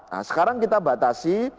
nah sekarang kita batasi